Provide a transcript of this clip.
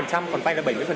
dạ vâng thì anh chọn